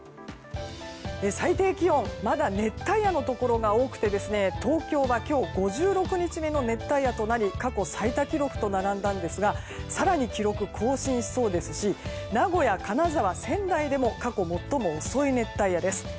最低気温まだ熱帯夜のところが多くて東京は今日５６日目の熱帯夜となり過去最多記録と並んだんですが更に、記録更新しそうですし名古屋、金沢、仙台でも過去最も遅い熱帯夜です。